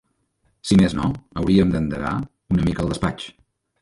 Si més no, hauríem d'endegar una mica el despatx!